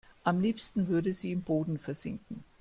Am liebsten würde sie im Boden versinken.